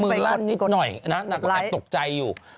ลั่นนิดหน่อยนะนางก็แอบตกใจอยู่